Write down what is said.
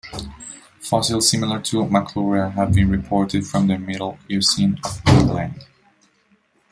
Fossils similar to "Maclura" have been reported from the Middle Eocene of England.